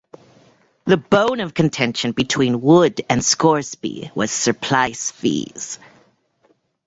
The bone of contention between Wood and Scoresby was surplice fees.